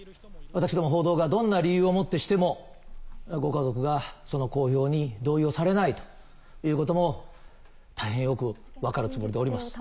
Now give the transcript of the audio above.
・私ども報道がどんな理由をもってしてもご家族がその公表に同意をされないということも大変よく分かるつもりでおります・・